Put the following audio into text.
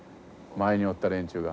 周りにおった連中が。